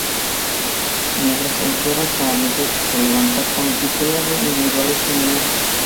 Mientras que en tierras canadienses se levantó con el título de individuales femenil.